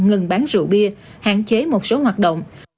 ngừng bán rượu bia hạn chế một số hoạt động